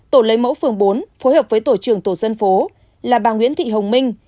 tổ lấy mẫu phường bốn phối hợp với tổ trường tổ dân phố là bà nguyễn thị hồng minh